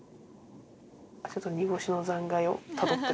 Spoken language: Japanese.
ちょっと煮干しの残骸をたどってる。